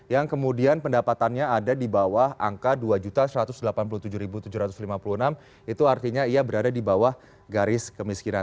yang kemudian pendapatannya ada di bawah angka dua satu ratus delapan puluh tujuh tujuh ratus lima puluh enam itu artinya ia berada di bawah garis kemiskinan